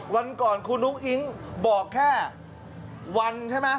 วันก่อนคุณอุ้งอิ๊งบอกแค่วันใช่ไหม